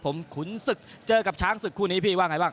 ผมขุนศึกเจอกับช้างศึกคู่นี้พี่ว่าไงบ้าง